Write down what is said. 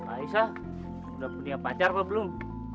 aisyah sudah punya pacar apa belum